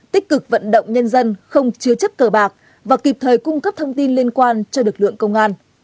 tích cực vận động nhân dân không chứa chấp cờ bạc và kịp thời cung cấp thông tin liên quan cho lực lượng công an